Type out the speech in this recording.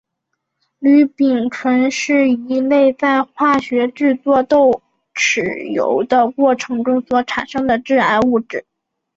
氯丙醇是一类在化学制作豉油的过程中所产生的致癌物质。